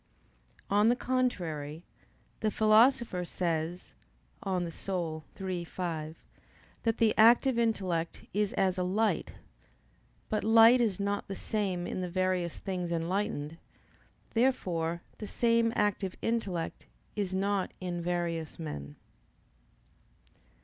On the contrary, The Philosopher says (De Anima iii, 5) that the active intellect is as a light. But light is not the same in the various things enlightened. Therefore the same active intellect is not in various men.